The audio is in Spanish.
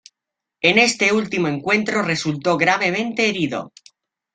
En este último encuentro resultó gravemente herido.